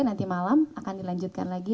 nanti malam akan dilanjutkan lagi